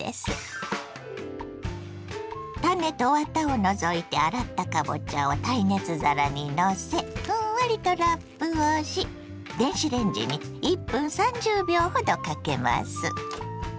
種とワタを除いて洗ったかぼちゃを耐熱皿にのせふんわりとラップをし電子レンジに１分３０秒ほどかけます。